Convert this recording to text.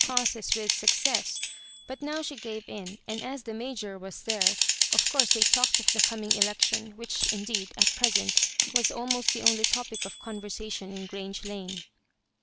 process with success ; but now she gave in ; ai; id as the Major was there, of course they talked of the coming election, which, indeed, at present was almost the only topic of conversation in Grange Lane.